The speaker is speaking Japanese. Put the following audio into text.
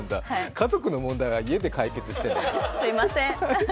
家族の問題は家で解決してね。